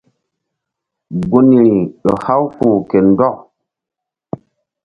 Gunri ƴo haw kpuh ke ndɔk.